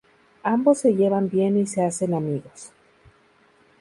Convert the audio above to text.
Ambos se llevan bien y se hacen amigos.